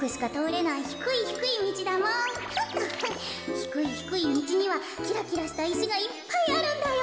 ひくいひくいみちにはきらきらしたいしがいっぱいあるんだよ。